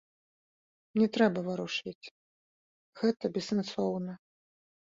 Не трэба варушыць, гэта бессэнсоўна.